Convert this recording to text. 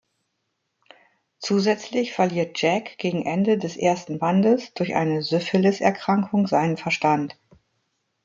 Zusätzlich verliert Jack gegen Ende des ersten Bandes durch eine Syphiliserkrankung seinen Verstand.